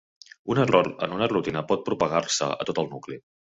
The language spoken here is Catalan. Un error en una rutina pot propagar-se a tot el nucli.